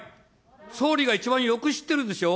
総理が一番よく知ってるでしょ。